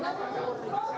katanya dari singapura